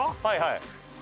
はいはい。